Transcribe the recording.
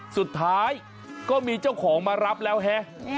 สุดท้ายก็มีเจ้าของมารับแล้วฮะ